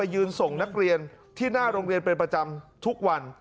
ยืนส่งนักเรียนที่หน้าโรงเรียนเป็นประจำทุกวัน